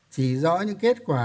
chỉ rõ những kết quả